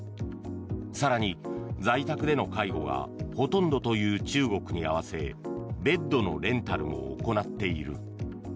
更に在宅での介護がほとんどという中国に合わせベッドのレンタルも行っている。